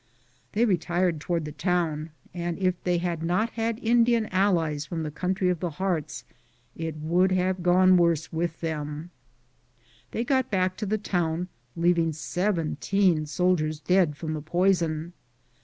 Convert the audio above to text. They retired toward the town, and if they had not had Indian allies from am Google THE JOURNEY OP CORONADO the country of the Hearts, it would have gone worse with them. They got back to the town, leaving 17 soldiers dead from the poison.